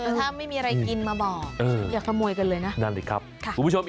ถ้าไม่มีอะไรกินมาบอกอยากขโมยกันเลยนะนั่นดิครับคุณผู้ชม